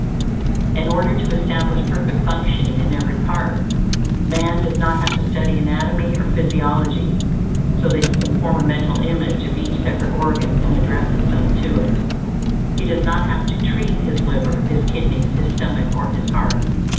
In order to establish perfect functioning in every part, man does not have to study anatomy or physiology, so that he can form a mental image of each separate organ and address himself to it. He does not have to "treat" his liver, his kidneys, his stomach, or his heart.